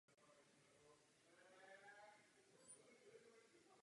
Díky tomu obsahuje led v ledovci nanejvýš cenné informace o klimatu v dřívějších dobách.